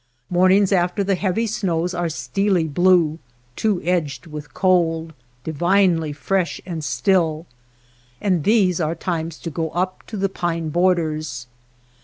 Mornings after the heavy snows are steely blue, two edged with cold, divinely fresh and still, and these are times to go up to the pine borders.